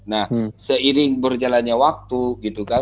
nah seiring berjalannya waktu gitu kan